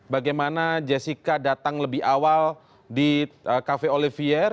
bagaimana jessica datang lebih awal di cafe olivier